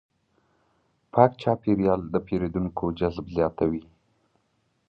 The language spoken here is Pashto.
پاک چاپېریال د پیرودونکو جذب زیاتوي.